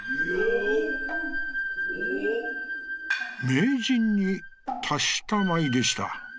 「名人に達した舞でした。